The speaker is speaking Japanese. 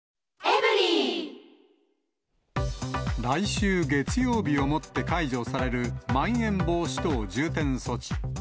来週月曜日をもって解除される、まん延防止等重点措置。